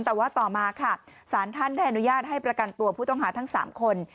แต่ว่าต่อมาค่ะสารท่านได้อนุญาตให้ประกันตัวผู้ต้องหาทั้ง๓คน